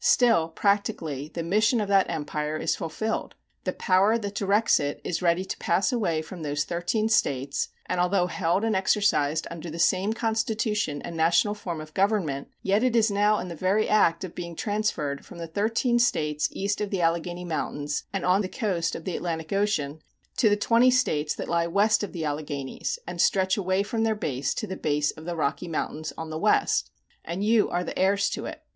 Still, practically, the mission of that empire is fulfilled. The power that directs it is ready to pass away from those thirteen states, and although held and exercised under the same constitution and national form of government, yet it is now in the very act of being transferred from the thirteen states east of the Alleghany mountains and on the coast of the Atlantic ocean, to the twenty states that lie west of the Alleghanies, and stretch away from their base to the base of the Rocky mountains on the West, and you are the heirs to it.